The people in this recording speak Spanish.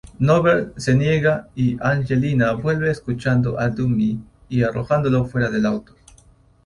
Norbert se niega y Angelina vuelve escuchando a Dummy y arrojándolo fuera del auto.